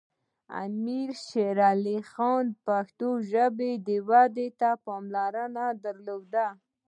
امیر شیر علی خان پښتو ژبې ودې ته پاملرنه درلوده.